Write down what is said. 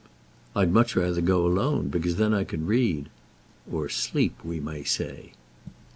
"I'd much rather go alone, because then I can read," or sleep, we may say.